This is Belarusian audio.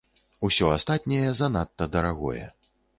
Усё астатняе занадта дарагое.